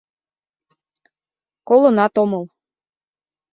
Колынат омыл.